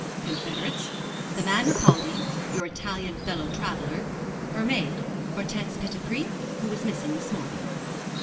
"Confederates?" "The man Ripaldi, your Italian fellow traveller; her maid, Hortense Petitpré, who was missing this morning."